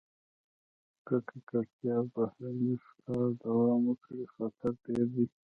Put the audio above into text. که ککړتیا او بهرني ښکار دوام وکړي، خطر ډېر دی.